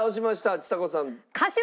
ちさ子さん。